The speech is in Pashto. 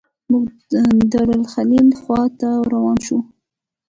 موږ د الخلیل خواته روان شوو.